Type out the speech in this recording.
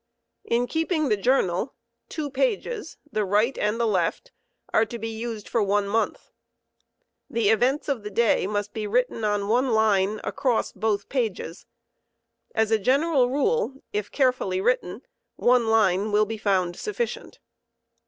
In keeping the journal, two pages (the right and' the left), are to be used for one month* The events of the day must be written on one line across both pages. As a general rule, if carefully written, one line will be found sufficient.